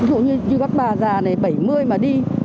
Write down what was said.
ví dụ như các bà già này bảy mươi mà đi